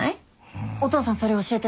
お父さんそれ教えて。